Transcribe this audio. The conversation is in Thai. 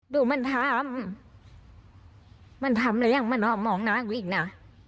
ดูมันทำมันทำอะไรยังมันออกมองน้ำกูอีกน่ะ